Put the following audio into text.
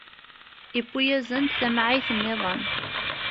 Iwwi-asen-d tamɛayt-nniḍen.